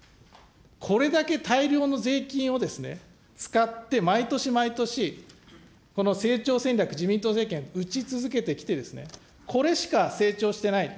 これだけ大量の税金をですね、使って、毎年毎年この成長戦略、自民党政権、打ち続けてきてですね、これしか成長してない。